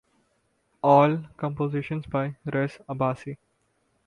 All compositions by Rez Abbasi